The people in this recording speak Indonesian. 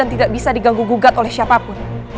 dan tidak bisa diganggu gugat oleh siapapun